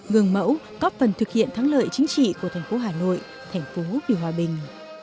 gương mẫu góp phần thực hiện thắng lợi chính trị của thành phố hà nội thành phố vì hòa bình